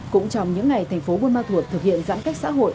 cũng trong những ngày thành phố buôn ma thuột thực hiện giãn cách xã hội